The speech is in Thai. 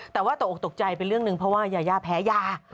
แต่ว่าตกออกตกใจเป็นเรื่องหนึ่งเพราะว่ายายาแพ้ยา